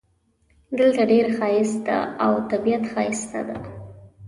دلته ډېر ښایست ده او طبیعت ښایسته ده